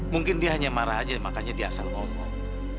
mungkin dia hanya marah aja makanya dia asal ngomong